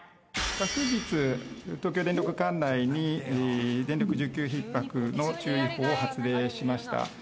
「昨日東京電力管内に電力需給ひっ迫の注意報を発令しました」